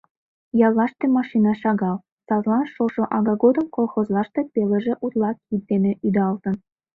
Яллаште машина шагал, садлан шошо ага годым колхозлаште пелыже утла кид дене ӱдалтын.